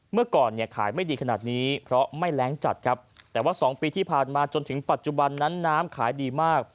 เมื่อก่อนเนี่ยขายไม่ดีขนาดนี้เพราะไม่แรงจัดครับแต่ว่า๒ปีที่ผ่านมาจนถึงปัจจุบันนั้นน้ำขายดีมาก